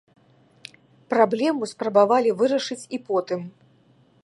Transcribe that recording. Праблему спрабавалі вырашыць і потым.